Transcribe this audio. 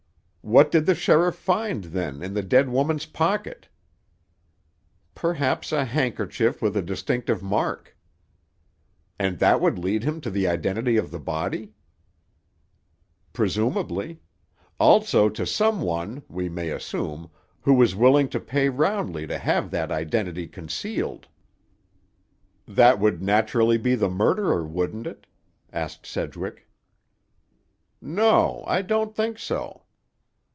"What did the sheriff find, then, in the dead woman's pocket?" "Perhaps a handkerchief with a distinctive mark." "And that would lead him to the identity of the body?" "Presumably. Also to some one, we may assume, who was willing to pay roundly to have that identity concealed." "That would naturally be the murderer, wouldn't it?" asked Sedgwick. "No. I don't think so."